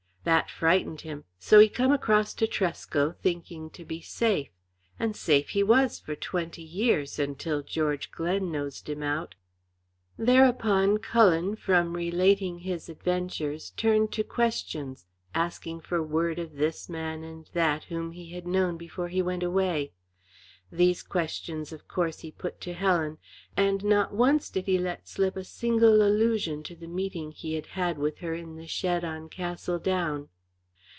That frightened him, so he come across to Tresco, thinking to be safe. And safe he was for twenty years, until George Glen nosed him out." Thereupon, Cullen, from relating his adventures, turned to questions asking for word of this man and that whom he had known before he went away. These questions of course he put to Helen, and not once did he let slip a single allusion to the meeting he had had with her in the shed on Castle Down.